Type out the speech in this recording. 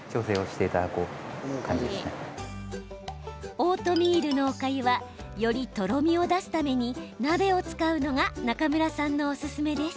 オートミールのおかゆはよりとろみを出すために鍋を使うのが中村さんのおすすめです。